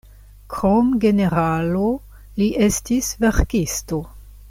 Krom generalo, li estis verkisto.